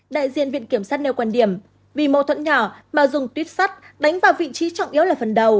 đại diện viện kiểm sát nêu quan điểm vì mâu thuẫn nhỏ mà dùng tuyết sắt đánh vào vị trí trọng yếu là phần đầu